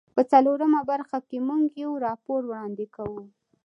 په څلورمه برخه کې موږ یو راپور وړاندې کوو.